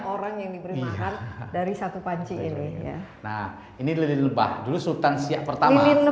orang yang diberi makan dari satu panci ini ya nah ini lebih lebah dulu sultan siak pertama itu